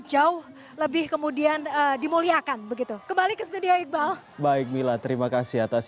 jauh lebih kemudian dimuliakan begitu kembali ke studio iqbal baik mila terima kasih atas